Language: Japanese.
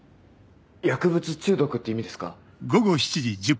薬物中毒って意味ですか？